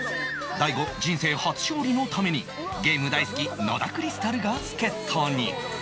大悟人生初勝利のためにゲーム大好き野田クリスタルが助っ人に